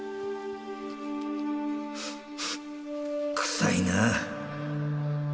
臭いなあ。